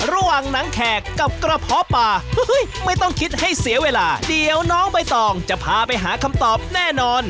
ระหว่างหนังแขกกับกระเพาะป่าไม่ต้องคิดให้เสียเวลาเดี๋ยวน้องใบตองจะพาไปหาคำตอบแน่นอน